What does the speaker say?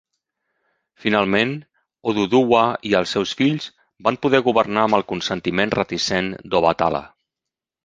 Finalment, Oduduwa i els seus fills van poder governar amb el consentiment reticent d'Obatala.